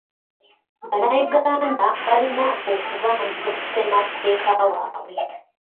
Bannayuganda balina okubanja ssemateeka waabwe.